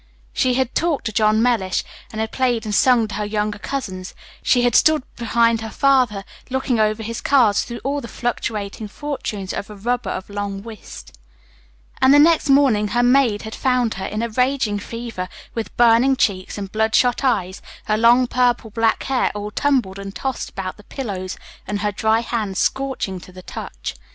She had talked to John Mellish, and had played and sung to her younger cousins; she had stood behind her father, looking over his cards through all the fluctuating fortunes of a rubber of long whist; and the next morning her maid had found her in a raging fever, with burning cheeks and bloodshot eyes, her long purple black hair all tumbled and tossed about the pillows, and her dry hands scorching to the touch.